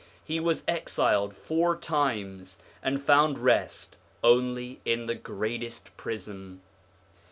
He was exiled four times, and found rest only in the 'Greatest Prison.'